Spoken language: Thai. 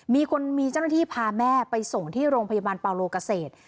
มีคนมีเจ้าหน้าที่พาแม่ไปส่งที่โรงพยาบาลปาโลเกษตร